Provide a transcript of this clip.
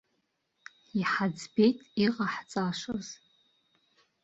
Иҳаӡбеит иҟаҳҵашаз.